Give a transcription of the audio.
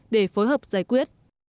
để phối hợp giải quyết